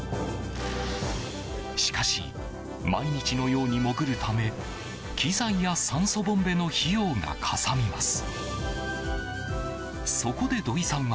しかし、毎日のように潜るため機材や酸素ボンベの費用がかさみます。